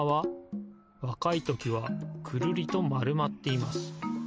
わかいときはくるりとまるまっています。